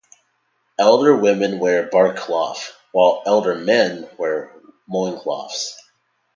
Elder women wear bark cloth, while elder men wear loin cloths.